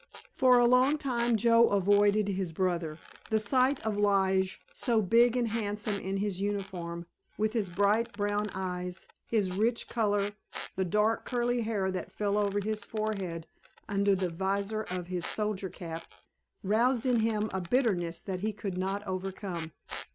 For a long time Joe avoided his brother. The sight of Lige, so big and handsome in his uniform, with his bright brown eyes, his rich color, the dark curly hair that fell over his forehead under the vizor of his soldier cap, roused in him a bitterness that he could not overcome.